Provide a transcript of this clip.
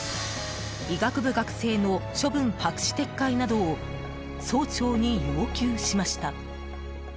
医学部学生の処分白紙撤回などを総長に要求しました。